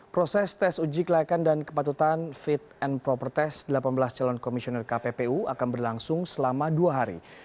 proses tes uji kelayakan dan kepatutan fit and proper test delapan belas calon komisioner kppu akan berlangsung selama dua hari